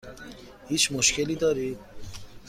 هیچ مشکلی دارید؟